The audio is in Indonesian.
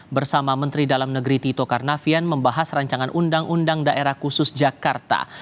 bersama menteri dalam negeri tito karnavian membahas rancangan undang undang daerah khusus jakarta